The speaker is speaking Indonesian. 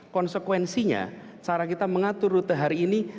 konsekuensinya cara kita mengatur rute hari ini